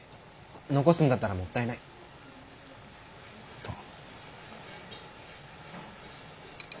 残すんだったらもったいないと。